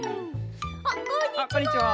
あっこんにちは。